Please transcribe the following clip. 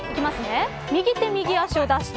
右手右足を出して。